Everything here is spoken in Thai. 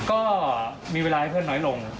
ก็มีเวลาให้เพื่อนน้อยลง